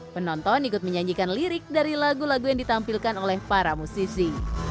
penonton ikut menyanyikan lirik dari lagu lagu yang ditampilkan oleh para musisi